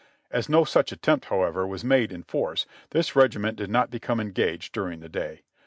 As no such attempt, however, was made in force, this regi ment did not become engaged during the day.